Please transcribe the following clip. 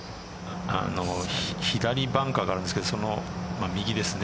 左にバンカーがあるんですけどその右ですね。